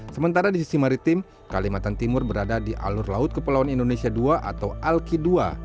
sementara di sisi maritim kalimantan timur berada di alur laut kepulauan indonesia ii atau alki ii